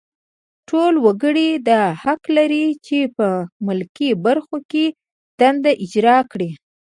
ټول وګړي دا حق لري چې په ملکي برخو کې دنده اجرا کړي.